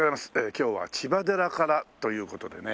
今日は千葉寺からという事でね。